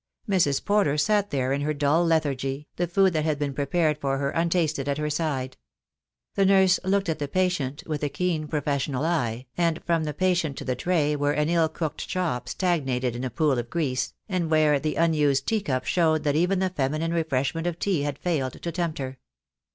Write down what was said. Mrs. Porter sat there in her dull lethargy, the food that had been prepared for her untasted at her side. The nurse looked at the patient with a keen professional eye, and from the patient to the tray where an ill cooked chop stagnated in a pool of grease; and where the unused teacup showed that even the feminine refreshment of tea had failed to tempt her.